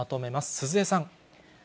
鈴江さん。